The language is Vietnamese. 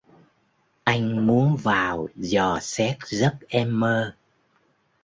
anh muốn vào dò xét giấc em mơ